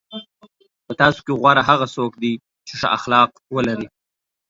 په تاسو کې غوره هغه څوک دی چې ښه اخلاق ولري.